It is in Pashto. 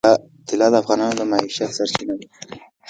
طلا د افغانانو د معیشت سرچینه ده.